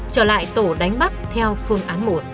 trở lại tổ đánh bắt theo phương án một